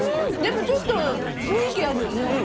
でもちょっと雰囲気あるよね。